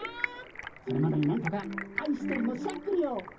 それまでになんとかあいしてるのしゃっくりを聞きたいぜ。